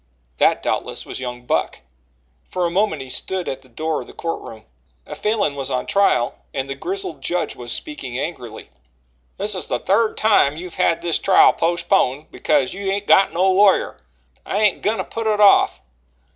That, doubtless, was young Buck. For a moment he stood at the door of the court room. A Falin was on trial and the grizzled judge was speaking angrily: "This is the third time you've had this trial postponed because you hain't got no lawyer. I ain't goin' to put it off.